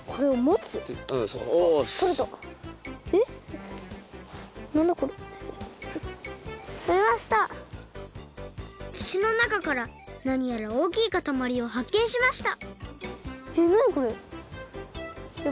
つちのなかからなにやらおおきいかたまりをはっけんしましたえっ